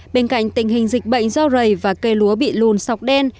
bên cạnh tình hình dịch bệnh do rầy và cây lúa bị lùn sọc đen